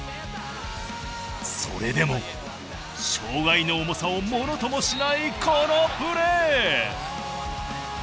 それでも障害の重さをものともしないこのプレー。